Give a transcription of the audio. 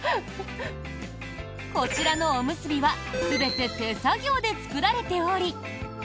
こちらのおむすびは全て手作業で作られており。